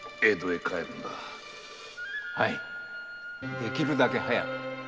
できるだけ早く。